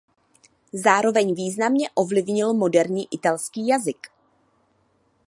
Zároveň významně ovlivnil moderní italský jazyk.